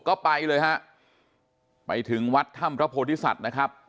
ก็ไปเลยฮะไปถึงวัดถ้ำพระโพธิสัตว์นะครับ